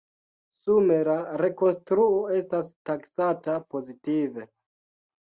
Sume la rekonstruo estas taksata pozitive.